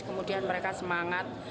kemudian mereka semangat